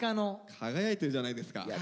輝いてるじゃないですか。